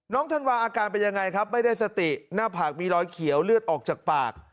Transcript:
ธันวาอาการเป็นยังไงครับไม่ได้สติหน้าผากมีรอยเขียวเลือดออกจากปาก